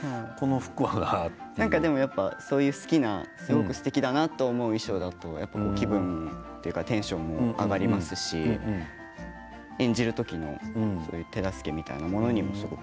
すごくすてきだなと思う衣装だと気分というかテンションも上がりますし、演じる時の手助けみたいなものにすごく。